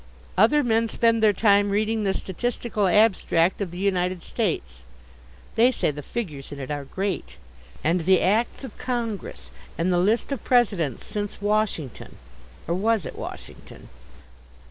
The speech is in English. Other men spend their time reading the Statistical Abstract of the United States (they say the figures in it are great) and the Acts of Congress, and the list of Presidents since Washington (or was it Washington?).